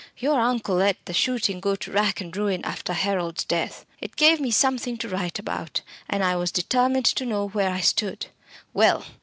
Your uncle let the shooting go to rack and ruin after Harold's death. It gave me something to write about, and I was determined to know where I stood Well!